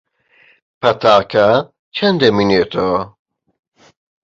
پەتاکە چەند دەمێنێتەوە؟